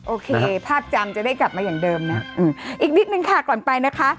โอเคภาพจำจะได้กลับมาอย่างเดิมนะอีกนิดนึงค่ะก่อนไปนะคะ